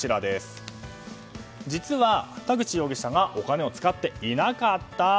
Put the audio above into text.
実は、田口容疑者がお金を使っていなかった。